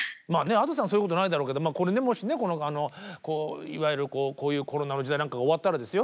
Ａｄｏさんはそういうことないだろうけどこれねもしねいわゆるこういうコロナの時代なんかが終わったらですよ